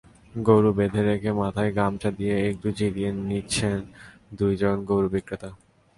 গরু বেঁধে রেখে মাথায় গামছা দিয়ে একটু জিরিয়ে নিচ্ছেন দুজন গরু বিক্রেতা।